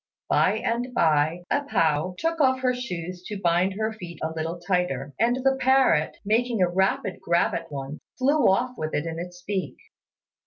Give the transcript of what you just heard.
By and by A pao took off her shoes to bind her feet a little tighter; and the parrot, making a rapid grab at one, flew off with it in its beak.